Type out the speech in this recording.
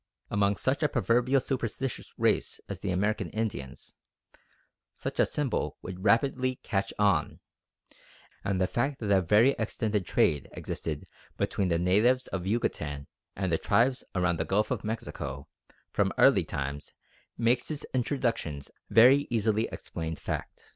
Among such a proverbially superstitious race as the American Indians, such a symbol would rapidly "catch on," and the fact that a very extended trade existed between the natives of Yucatan and the tribes around the Gulf of Mexico from early times makes its introduction a very easily explained fact.